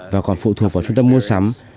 và còn phụ thuộc vào trung tâm mua sắm